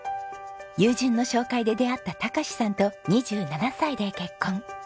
友人の紹介で出会った孝さんと２７歳で結婚。